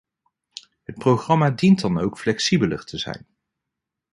Het programma dient dan ook flexibeler te zijn.